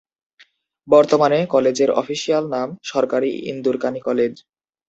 বর্তমানে কলেজের অফিসিয়াল নাম সরকারি ইন্দুরকানী কলেজ।